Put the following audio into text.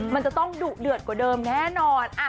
มันจะต้องดุเดือดกว่าเดิมแน่นอน